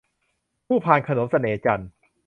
คู่พานขนมเสน่ห์จันทร์